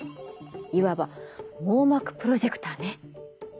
いわば網膜プロジェクターね。